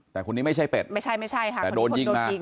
แต่คนนี้ไม่ใช่เป็ดแต่โดนยิงมาไม่ใช่คนนี้คนโดนยิง